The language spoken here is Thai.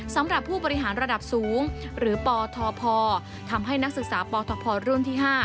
สำหรับผู้บริหารระดับสูงหรือปทพทำให้นักศึกษาปทรุ่นที่๕